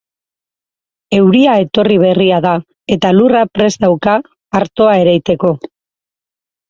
Euria etorri berria da eta lurra prest dauka artoa ereiteko.